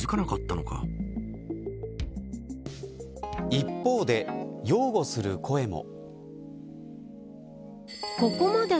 一方で、擁護する声も。